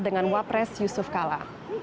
dengan wapres yusuf kalla